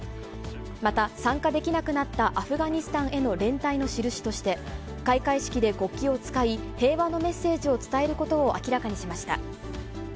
また、参加できなくなったアフガニスタンへの連帯の印として、開会式で国旗を使い、平和のメッセージを伝えることを明らかにしました。